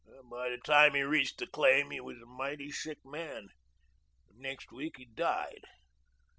By the time he reached the claim he was a mighty sick man. Next week he died.